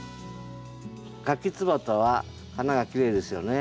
カキツバタは花がきれいですよね。